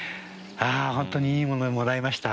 本当にいいものをもらいました。